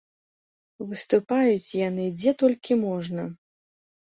Выступаюць яны дзе толькі можна!